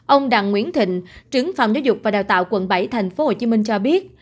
ông đặng nguyễn thịnh trưởng phòng giáo dục và đào tạo quận bảy tp hcm cho biết